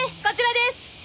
こちらです。